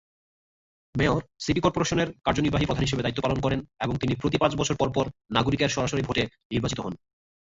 Mayor, city কর্পোরেশনের কার্যনির্বাহী প্রধান হিসাবে দায়িত্ব পালন করেন এবং তিনি প্রতি পাঁচ বছর পরপর নাগরিকের সরাসরি ভোটে নির্বাচিত হন।